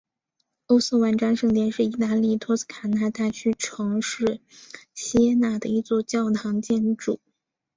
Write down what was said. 欧瑟万扎圣殿是义大利托斯卡纳大区城市锡耶纳的一座教堂建筑。